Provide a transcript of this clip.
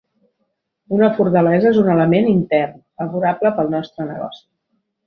Una fortalesa és un element intern favorable pel nostre negoci.